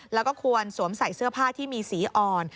แล้วก็ควรสวมใส่เสื้อผ้าที่มีสีอ่อน